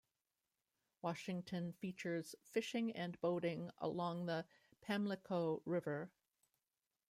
Washington features fishing and boating along the Pamlico River.